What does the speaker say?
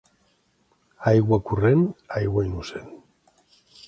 Aigua corrent, aigua innocent.